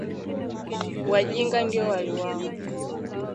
Wajinga ndio waliwao